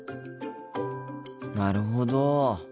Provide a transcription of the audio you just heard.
なるほど。